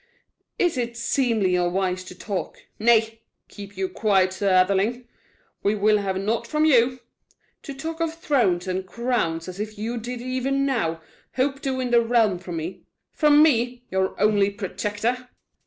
Is it seemly or wise to talk, nay, keep you quiet, Sir Atheling; we will have naught from you, to talk of thrones and crowns as if you did even now hope to win the realm from me from me, your only protector?"